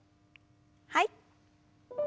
はい。